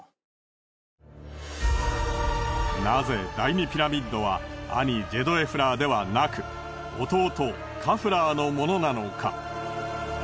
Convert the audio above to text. なぜ第２ピラミッドは兄ジェドエフラーではなく弟カフラーのものなのか。